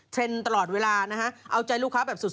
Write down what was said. เทรนด์ตลอดเวลาเอาใจลูกค้าแบบสุด